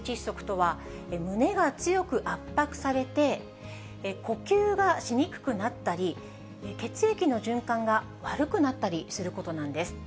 この外傷性窒息とは、胸が強く圧迫されて、呼吸がしにくくなったり、血液の循環が悪くなったりすることなんです。